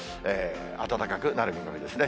暖かくなる見込みですね。